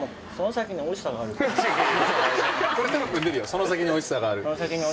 「その先に美味しさがある」って。